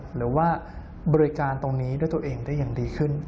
หรือว่าบริการตรงนี้ด้วยตัวเองได้อย่างดีขึ้น